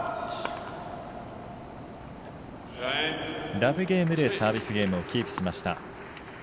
ラブゲームでサービスゲームをキープしました。